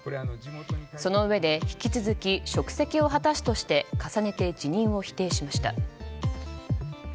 そのうえで引き続き職責を果たすとして重ねて辞任を否定しました。